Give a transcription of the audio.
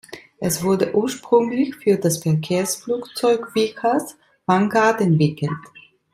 Es wurde ursprünglich für das Verkehrsflugzeug Vickers Vanguard entwickelt.